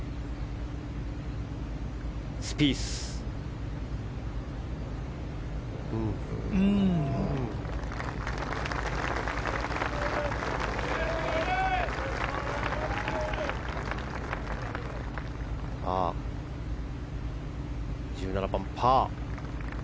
スピースは１７番、パー。